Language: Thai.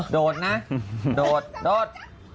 โดดนะโดด